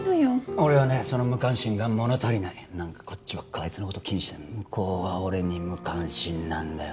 俺はねその無関心が物足りない何かこっちばっかあいつのこと気にして向こうは俺に無関心なんだよ